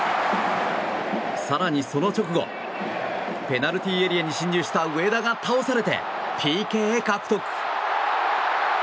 更にその直後ペナルティーエリアに進入した上田が倒されてＰＫ獲得。